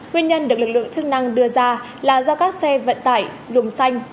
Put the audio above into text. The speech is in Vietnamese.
nguyên nhân được lực lượng chức năng đưa ra là do các xe vận tải lùm xanh